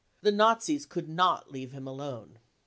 The Nazis could not leave him alone.